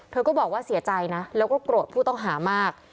เธอก็บอกว่าเสียใจนะแล้วก็โกรธผู้ต้องหามาก